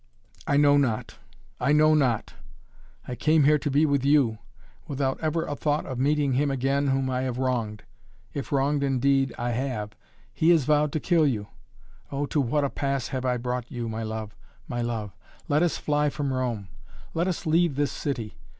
"I know not I know not! I came here to be with you without ever a thought of meeting him again whom I have wronged if wronged indeed I have. He has vowed to kill you! Oh, to what a pass have I brought you my love my love! Let us fly from Rome! Let us leave this city.